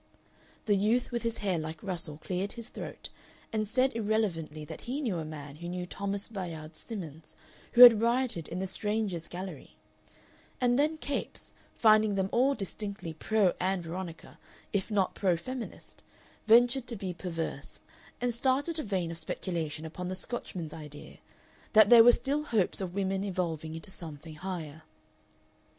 The youth with his hair like Russell cleared his throat and said rather irrelevantly that he knew a man who knew Thomas Bayard Simmons, who had rioted in the Strangers' Gallery, and then Capes, finding them all distinctly pro Ann Veronica, if not pro feminist, ventured to be perverse, and started a vein of speculation upon the Scotchman's idea that there were still hopes of women evolving into something higher.